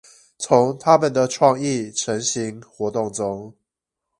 從他們的創意晨型活動中